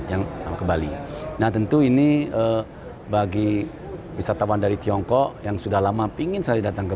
yang ke bali nah tentu ini bagi wisatawan dari tiongkok yang sudah lama pingin saya datang ke